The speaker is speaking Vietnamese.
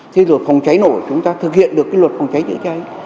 thế rồi phòng trái nổ chúng ta thực hiện được cái luật phòng trái dự trái